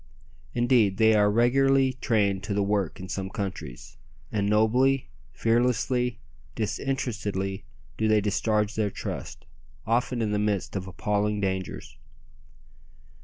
Indeed, they are regularly trained to the work in some countries; and nobly, fearlessly, disinterestedly do they discharge their trust, often in the midst of appalling dangers.